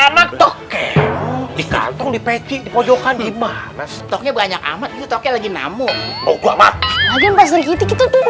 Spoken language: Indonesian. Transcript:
modong pesantrik urantar punya peraturan